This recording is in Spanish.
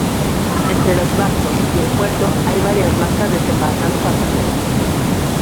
Entre los barcos y el puerto hay varias barcas desembarcando pasajeros.